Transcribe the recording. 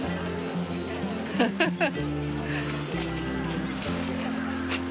フフフッ。